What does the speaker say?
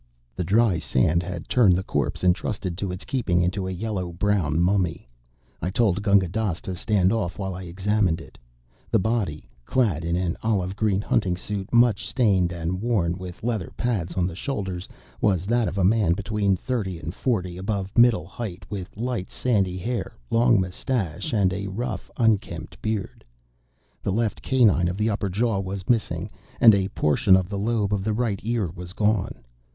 The dry sand had turned the corpse entrusted to its keeping into a yellow brown mummy. I told Gunga Dass to stand off while I examined it. The body clad in an olive green hunting suit much stained and worn, with leather pads on the shoulders was that of a man between thirty and forty, above middle height, with light, sandy hair, long mustache, and a rough unkempt beard. The left canine of the upper jaw was missing, and a portion of the lobe of the right ear was gone.